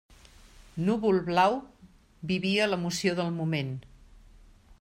Núvol-Blau vivia l'emoció del moment.